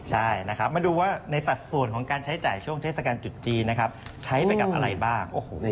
ใช่มาดูว่าในสัดส่วนของการใช้จ่ายช่วงเทศกรรมจุจจีนใช้ไปกับอะไรบ้าง